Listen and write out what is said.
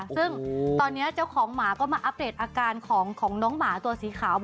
ซึ่งตอนนี้เจ้าของหมาก็มาอัปเดตอาการของน้องหมาตัวสีขาว